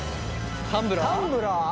タンブラー？